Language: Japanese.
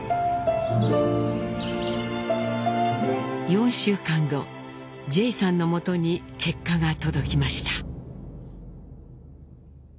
４週間後ジェイさんのもとに結果が届きました。